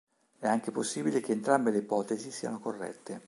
È anche possibile che entrambe le ipotesi siano corrette.